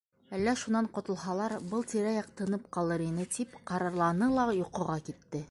Әллә шунан ҡотолһалар, был тирә-яҡ тынып ҡалыр ине, тип ҡарарланы ла йоҡоға китте.